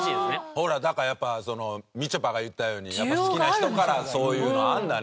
ほらだからやっぱみちょぱが言ったように好きな人からそういうのあるんだねオファーが。